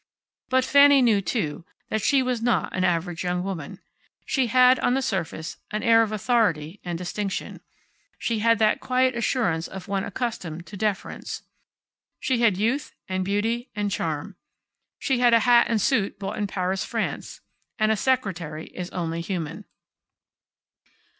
But Fanny knew, too, that she was not an average young woman. She had, on the surface, an air of authority and distinction. She had that quiet assurance of one accustomed to deference. She had youth, and beauty, and charm. She had a hat and suit bought in Paris, France; and a secretary is only human.